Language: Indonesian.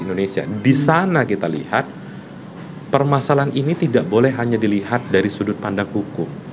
indonesia di sana kita lihat permasalahan ini tidak boleh hanya dilihat dari sudut pandang hukum